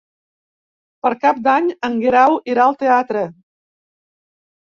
Per Cap d'Any en Guerau irà al teatre.